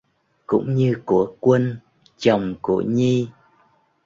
Cũng như của quân chồng của Nhi